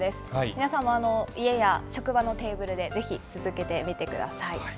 皆さんも家や職場のテーブルで、ぜひ続けてみてください。